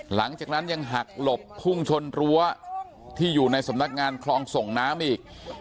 หลังจากนั้นยังหักหลบพุ่งชนรั้วที่อยู่ในสำนักงานคลองส่งน้ำอีก